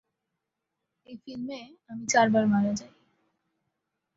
এই ফিল্মে আমি চারবার মারা যাই।